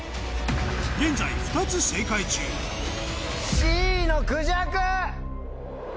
現在２つ正解中Ｃのクジャク。